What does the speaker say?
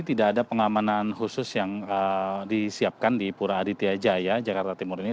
tidak ada pengamanan khusus yang disiapkan di pura aditya jaya jakarta timur ini